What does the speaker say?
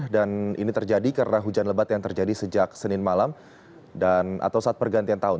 dan ini terjadi karena hujan lebat yang terjadi sejak senin malam atau saat pergantian tahun